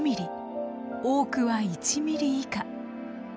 多くは１ｍｍ以下。